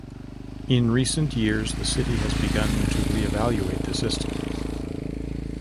In recent years, the city has begun to re-evaluate the system.